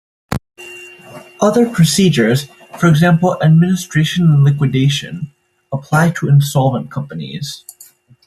Other procedures, for example administration and liquidation, apply to insolvent companies.